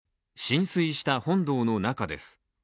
浸水した本堂の中です。